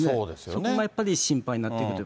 そこもやっぱり心配になってくると。